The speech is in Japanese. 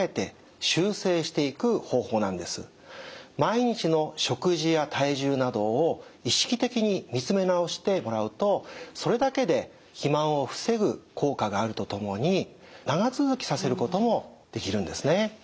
毎日の食事や体重などを意識的に見つめ直してもらうとそれだけで肥満を防ぐ効果があるとともに長続きさせることもできるんですね。